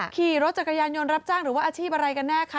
ขี่รถจักรยานยนต์รับจ้างหรือว่าอาชีพอะไรกันแน่คะ